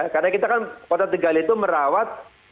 karena kita kan kota tegal itu merawat